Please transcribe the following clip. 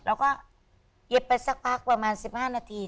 เราก็เย็บไปสักพักประมาณ๑๕นาที